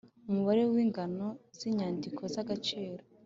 Umubare w ingano z inyandiko z agaciro